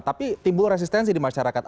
tapi timbul resistensi di masyarakat